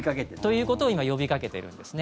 ということを今、呼びかけてるんですね。